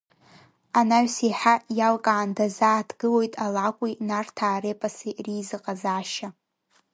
Анаҩс еиҳа иалкаан дазааҭгылоит алакәи нарҭаа репоси реизыҟазаашьа.